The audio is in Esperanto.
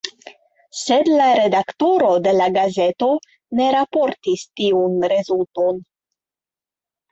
Sed la redaktoro de la gazeto ne raportis tiun rezulton.